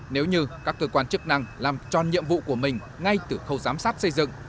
nếu như các cơ quan chức năng làm tròn nhiệm vụ của mình ngay từ khâu giám sát xây dựng